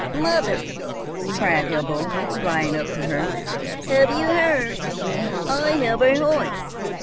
"Mother," cried Ebbo, flying up to her, "have you heard? I have a horse!